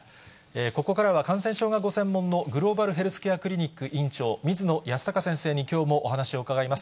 ここからは感染症がご専門のグローバルヘルスケアクリニック院長、水野泰孝先生にきょうもお話を伺います。